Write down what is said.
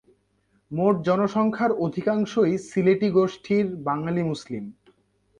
মোট জনসংখ্যার অধিকাংশই সিলেটি গোষ্ঠীর বাঙালি মুসলিম।